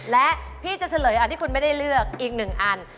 และพี่จะเฉลยอันที่คุณไม่ได้เลือกอีกหนึ่งอัน